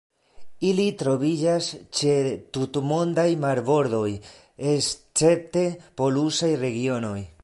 Ili troviĝas ĉe tutmondaj marbordoj escepte polusaj regionoj.